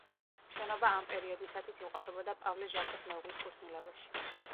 შენობა ამ პერიოდისათვის იმყოფებოდა პავლე ჟაკოს მეუღლის კუთვნილებაში.